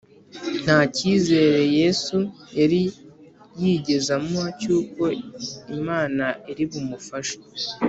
Nta cyizere Yesu yari yigeze amuha cy’uko Imana iri bumufashe